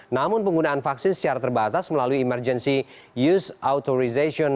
namun penggunaan vaksin secara terbatas melalui emergency use authorization